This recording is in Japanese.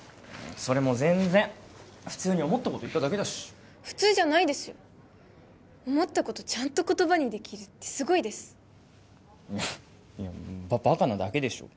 それも全然普通に思ったこと言っただけだし普通じゃないですよ思ったことちゃんと言葉にできるってすごいですババカなだけでしょ